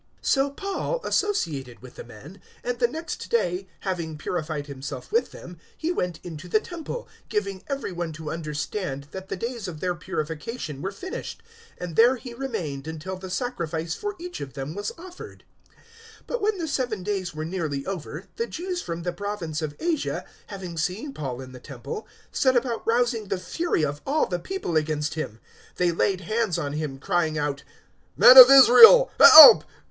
021:026 So Paul associated with the men; and the next day, having purified himself with them, he went into the Temple, giving every one to understand that the days of their purification were finished, and there he remained until the sacrifice for each of them was offered. 021:027 But, when the seven days were nearly over, the Jews from the province of Asia, having seen Paul in the Temple, set about rousing the fury of all the people against him. 021:028 They laid hands on him, crying out, "Men of Israel, help!